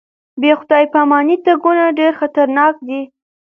بې خدای پاماني تګونه ډېر خطرناک دي.